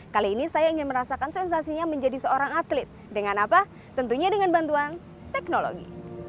kali ini saya ingin merasakan sensasinya menjadi seorang atlet dengan apa tentunya dengan bantuan teknologi